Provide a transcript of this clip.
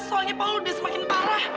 soalnya palu udah semakin parah